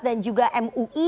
dan juga mui